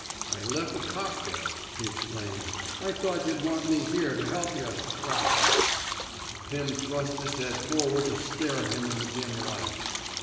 "I lef ' a cop there,*' he explained. I thought yuh'd want me here to help yuh — p 'raps. '' Pim thrust his head forward to stare at him in the dim light.